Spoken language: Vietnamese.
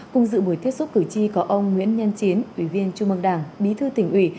cùng dự buổi tiếp xúc cử tri có ông nguyễn nhân chiến ủy viên trung mương đảng bí thư tỉnh ủy